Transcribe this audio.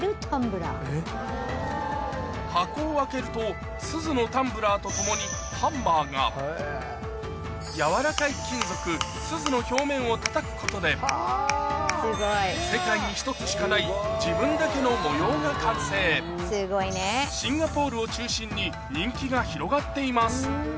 箱を開けるとすずのタンブラーと共にハンマーが軟らかい金属すずの表面をたたくことで自分だけの模様が完成シンガポールを中心に人気が広がっています